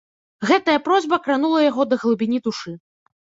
Гэтая просьба кранула яго да глыбіні душы.